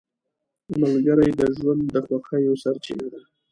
ملګری د ژوند د خوښیو سرچینه ده